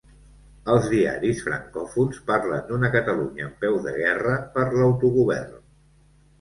Els diaris francòfons parlen d'una Catalunya en peu de guerra per l'autogovern.